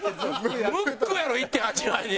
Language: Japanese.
ムックやろ１．８万人。